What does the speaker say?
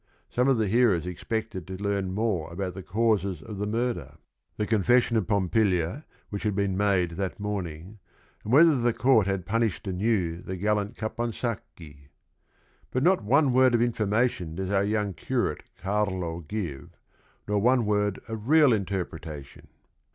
Some of the hearers expected to learn more about the causes of the murder, the LESSONS OF RING AND BOOK 223 confession of Pompilia which had been made that morning, and whether the court had "pun ished anew the gallant Caponsacchi." But not one word of information does our young curate Carlo give nor one word of real interpretation.